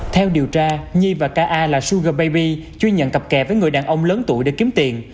theo điều tra nhi và k a là sugar baby chuyên nhận cặp kè với người đàn ông lớn tuổi để kiếm tiền